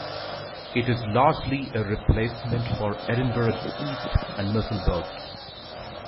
It is largely a replacement for Edinburgh East and Musselburgh.